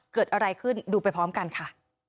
เกิดอะไรขึ้นดูไปพร้อมกันค่ะ